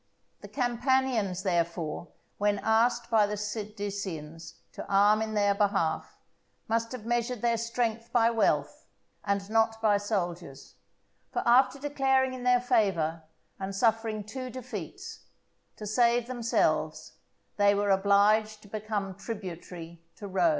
The Campanians, therefore, when asked by the Sidicinians to arm in their behalf, must have measured their strength by wealth and not by soldiers; for after declaring in their favour and suffering two defeats, to save themselves they were obliged to become tributary to Rome.